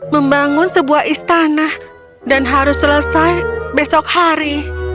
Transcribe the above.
membangun sebuah istana dan harus selesai besok hari